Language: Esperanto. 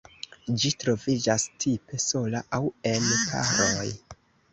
Ĝi troviĝas tipe sola aŭ en paroj.